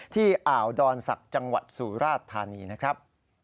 อ่าวดอนศักดิ์จังหวัดสุราชธานีนะครับ